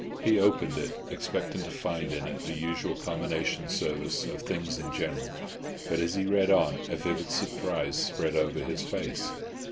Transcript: He opened it, expecting to find in it the usual Commination Service on things in general, but as he read on, a vivid surprise spread over his face.